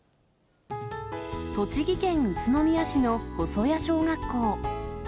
栃木県宇都宮市の細谷小学校。